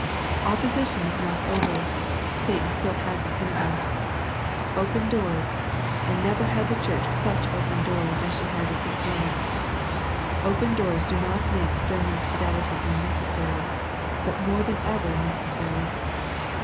Opposition is not over, Satan still has a synagogue. Open doors — and never had the Church such open doors as she has at this moment — open doors do not make strenuous fidelity unnecessary, but more than ever necessary.